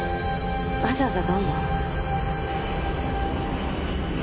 わざわざどうも。